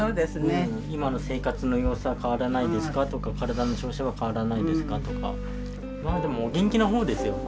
今の生活の様子は変わらないですかとか体の調子は変わらないですかとかまあでもお元気な方ですよ。